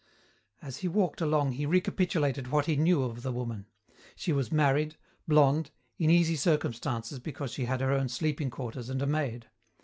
As he walked along he recapitulated what he knew of the woman. She was married, blonde, in easy circumstances because she had her own sleeping quarters and a maid.